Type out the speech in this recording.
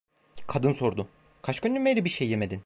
Kadın sordu: "Kaç günden beri bir şey yemedin?"